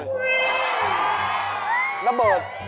น้ำเบิก